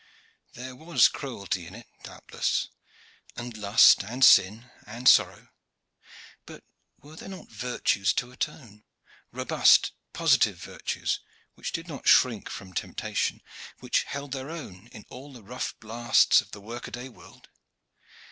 There was cruelty in it, doubtless, and lust and sin and sorrow; but were there not virtues to atone, robust positive virtues which did not shrink from temptation, which held their own in all the rough blasts of the work a day world?